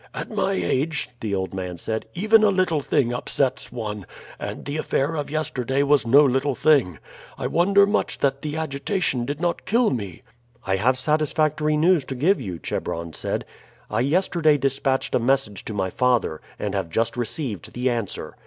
"At my age," the old man said, "even a little thing upsets one, and the affair of yesterday was no little thing. I wonder much that the agitation did not kill me." "I have satisfactory news to give you," Chebron said. "I yesterday dispatched a message to my father, and have just received the answer."